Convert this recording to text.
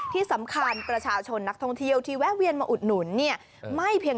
ที่สำคัญประชาชนนักท่องเที่ยวที่แวะเวียนมาอุดหนุนเนี่ยไม่เพียง